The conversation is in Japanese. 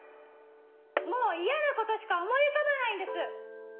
もう嫌なことしか思い浮かばないんです！